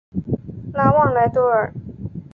拉旺莱多尔。